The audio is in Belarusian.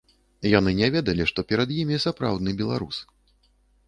Яны не ведалі, што перад імі сапраўдны беларус.